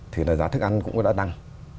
thì giá thức ăn cũng đã tăng